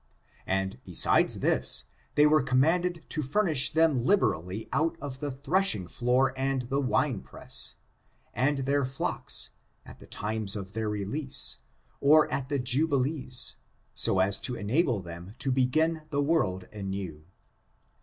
And besides this, they were command ed to furnish them liberally out of the threshing floor and the wine press, and their flocks, at the times of their release, or at the Jubilees, so as to enable them to begin the world anew.